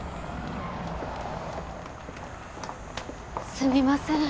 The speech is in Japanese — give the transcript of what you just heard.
すみません。